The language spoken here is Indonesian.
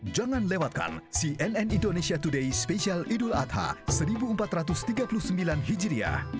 jangan lewatkan cnn indonesia today spesial idul adha seribu empat ratus tiga puluh sembilan hijriah